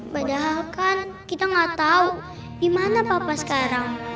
padahal kan kita enggak tahu dimana papa sekarang